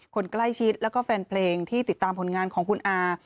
คนใกล้ชิดแล้วก็แฟนเพลงที่ติดตามผลงานของคุณอา